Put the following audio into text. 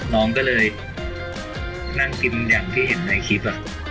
น้องก็เลยนั่งกินอย่างที่เห็นในคลิป